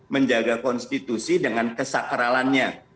menjaga konstitusi dengan kesakralannya